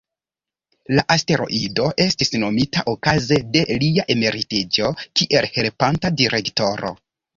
La asteroido estis nomita okaze de lia emeritiĝo kiel helpanta direktoro.